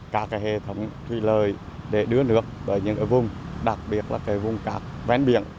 các hệ thống thủy lợi để đưa nước vào những vùng đặc biệt là vùng cát vén biển